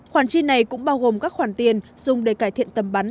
khoản chi này cũng bao gồm các khoản tiền dùng để cải thiện tầm bắn